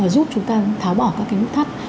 giúp chúng ta tháo bỏ các cái mức thắt